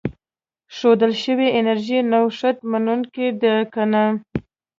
ښودل شوې انرژي نوښت منونکې ده که نه.